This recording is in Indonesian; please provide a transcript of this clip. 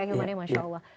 akhiratnya masya allah